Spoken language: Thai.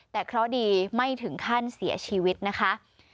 แต่เคราะห์ดีไม่ถึงขั้นเสียชีวิตนะคะ